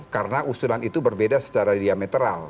karena usulan itu berbeda secara diametral